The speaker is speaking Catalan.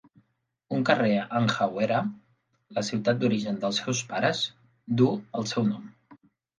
Un carrer en Hawera, la ciutat d'origen dels seus pares, duu el seu nom.